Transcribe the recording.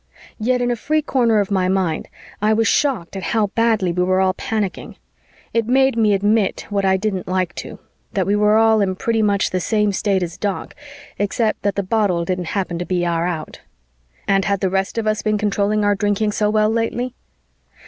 Yet, in a free corner of my mind, I was shocked at how badly we were all panicking. It made me admit what I didn't like to: that we were all in pretty much the same state as Doc, except that the bottle didn't happen to be our out. And had the rest of us been controlling our drinking so well lately?